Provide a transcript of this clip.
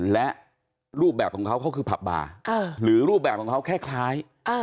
และรูปแบบของเขาเขาคือผับบาร์หรือรูปแบบของเขาคล้าย